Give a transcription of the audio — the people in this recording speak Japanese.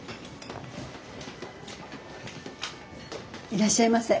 いらっしゃいませ。